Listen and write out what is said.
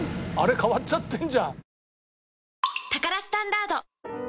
変わっちゃってんじゃん。